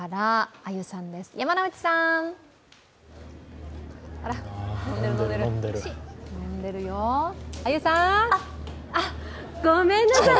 あっ、ごめんなさい。